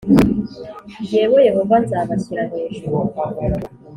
Jyewe Yehova nzabashyira hejuru